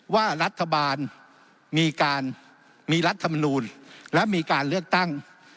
ว่ารัฐบาลมีรัฐธรรมนูญและมีการเลือกตั้ง